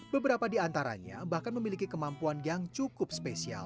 beberapa di antaranya bahkan memiliki kemampuan yang cukup spesial